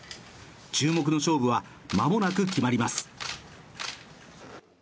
注目の勝負は、間もなく決まります